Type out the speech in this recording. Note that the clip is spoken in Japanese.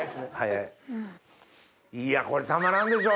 いやこれたまらんでしょ。